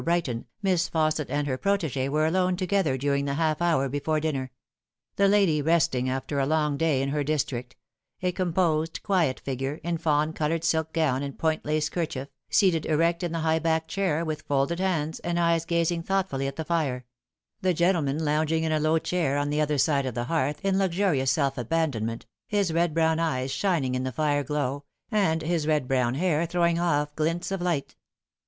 Brighton, Miss Fausset and her protege were alone together during the half hour before dinner ; the lady resting after a long day in her district : a composed, quiet figure, in fawn coloured silk gown and point lace kerchief, seated erect in the high backed chair, with folded hands, and eyes gazing thoughtfully at the fire ; the gentleman lounging in a low chair on the other side of the hearth in luxurious self abandonment, his red brown eyes shining in the fire glow, and his red brown hair throwing off glints of light.